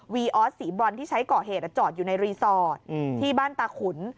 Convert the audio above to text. ออสสีบรอนที่ใช้ก่อเหตุจอดอยู่ในรีสอร์ทที่บ้านตาขุน